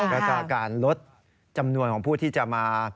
แล้วก็การลดจำนวนของผู้ที่จะมา